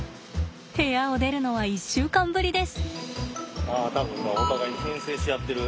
部屋を出るのは１週間ぶりです。